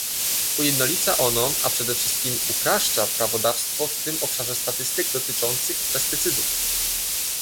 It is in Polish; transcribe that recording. Ujednolica ono, a przede wszystkim upraszcza prawodawstwo w tym obszarze statystyk dotyczących pestycydów